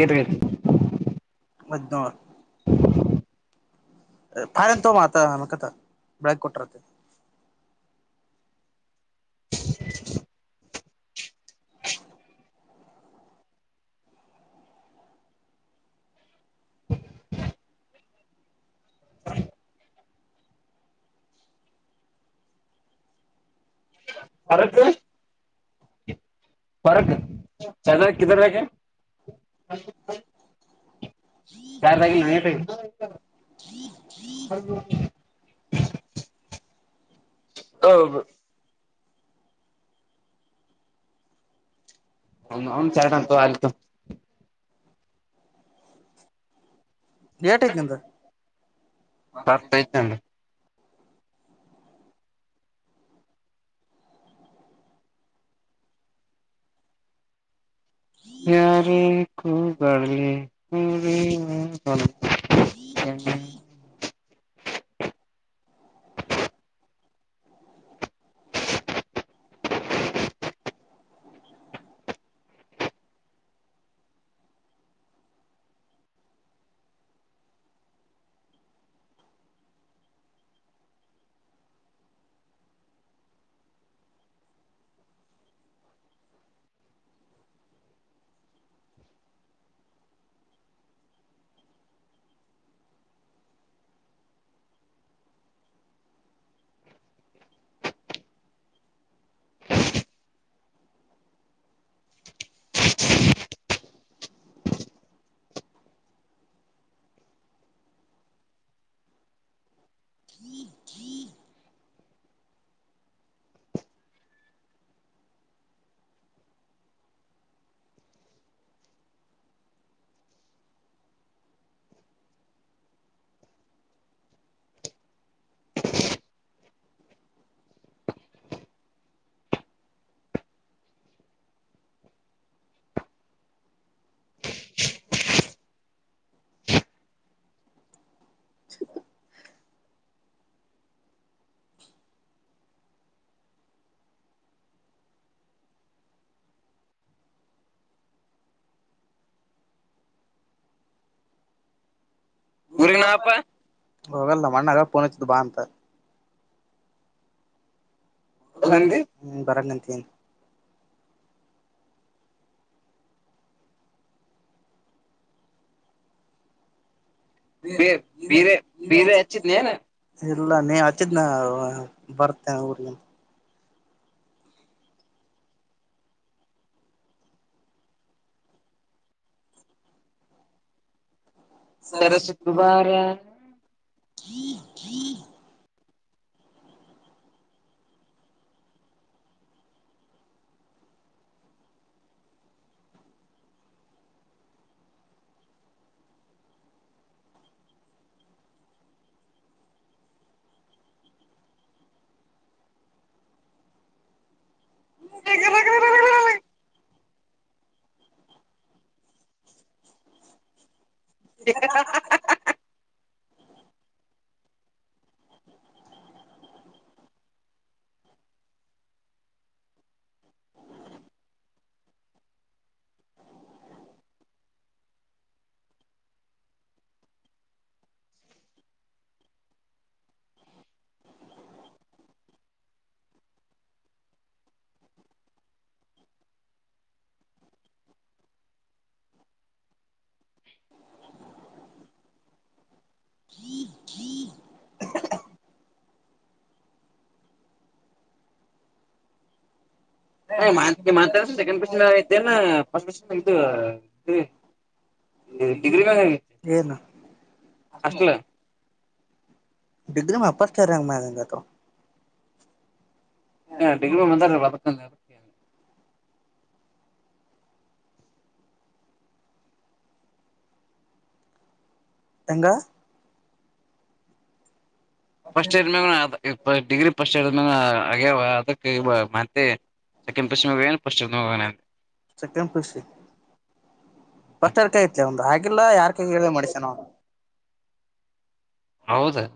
ಗತಗ ಮನವ ಫನ್ ತೋತ ನಮಕಥ ಬೆಳಗ್ ಕೊಟರತ್ತ ಹೊರಕ್ಕೆ ಫರ್ಕ ದ ಕಧರ ರಗ ಕಾಗಿ ನೀತ ಹ ಹ ಅವನು ಚಂತ ಅಲ್ಲಿಿತ ಏಟಐತಿನಂದ ಪತ್ತೈತ ಯಾರ ಕಗಳಲಿ ಪ ಬ ಹ್ಮ್ ತ್ರೀ ತ್ರ [inaudible] ಅ ಗುರುನಾಪ ಹೋಗಲ್ಲ ಮಣ್ಣ ಪಣಿದ ಬಾ ಅಂತ ಅಲ್ಲಂದಿ ಹ್ಮ್ ಬರ ನಂತ ಬ ಬೀರೆ ಬಿೀರೆ ಹೆಚ್ಚ ನೀನ ಇಲ್ಲ ನೀ ಹಚ್ಚಿದನ ಬರ್ತೇ ಊಗೆ ಸರಸಗುಮಾರ ತ್ರೀ ತ್ರೀ [inaudible] ಇ. [inaudible] [inaudible] ಡಗ್ರಿ. ಏನು [inaudible] ಡಿಗ್ರಿ ಪಚ ರಂಗ ಮನೆಂಗತ್ತು ಹ ಡಿಗ್ರಿ ಮಂದರ್ಕ. ಎಂಗಂಗ. ಫಸ್ಟ್ ಇಯರ್ ಮ್ಯಾಗ ಡಿಗ್ರಿ ಫಸ್ಟ್ ಇಯರ್ ಮ ಆಗ್ಯ ಅದಕ್ಕೆ ಮತ್ತೆ. ಸೆಕಂಡ್ ಪಶ್ಚಿಮ ಪಶ್ಚಿಮಮ. ಸೆಕೆ್ ಪಫ ಬಸ್ರ್ ಕಯತ್ ಒಂದ. ಆಲ್ಲ ಯಾರ್ಕ ಹೇಳ್ದ ಮಾಡಸ ನವು. ಹೌದಾ.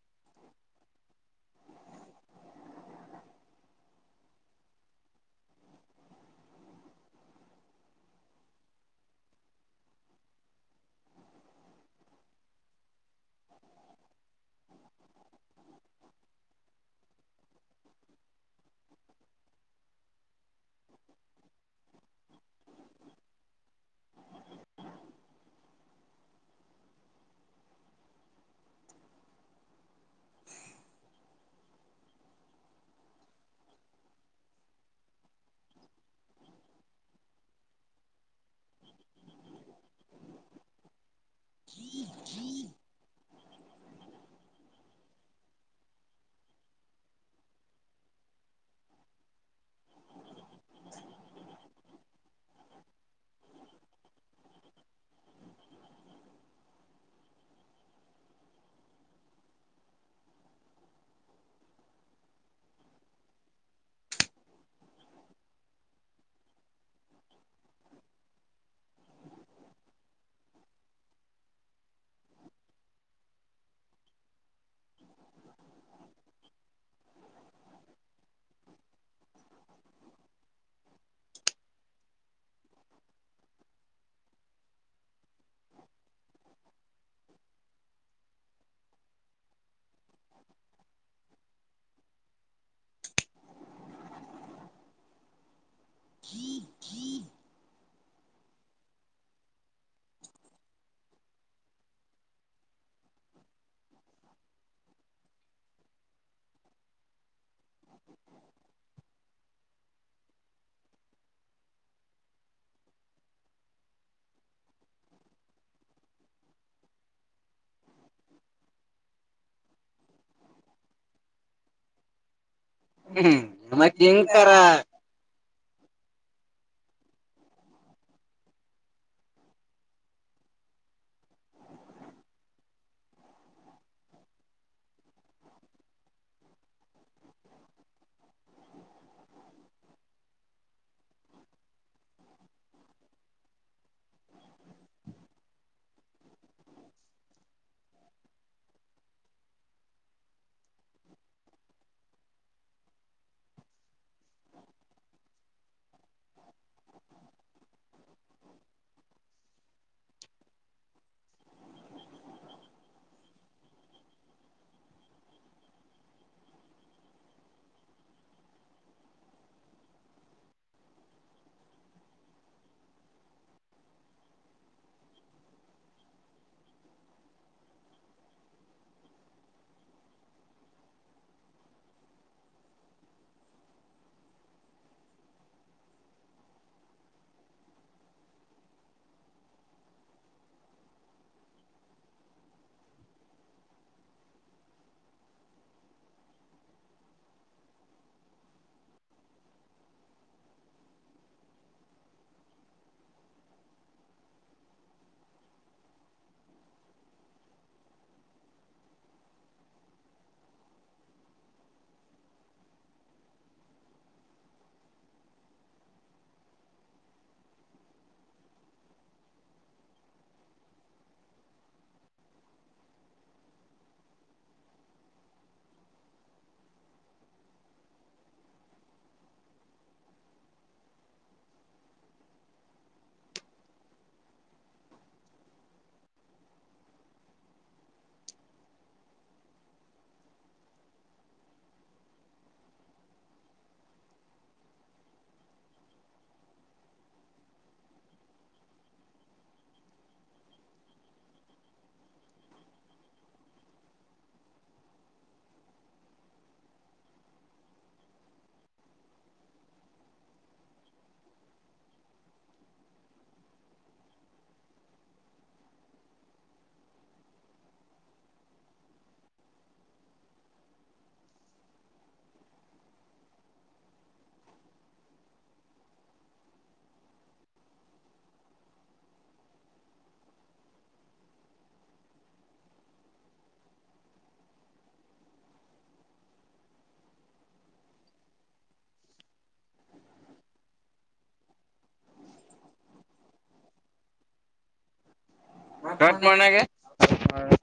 [inaudible] [inaudible] ಹ್ಮ್ ನಮಕ್ಕೆ ನಿಂತರ. ಕತ್ ಮನಗೆ ಹ. [unintelligible]